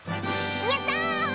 やった！